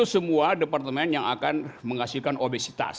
semua departemen yang akan menghasilkan obesitas